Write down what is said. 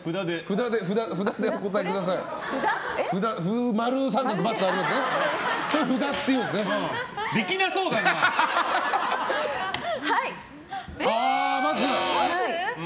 札でお答えください。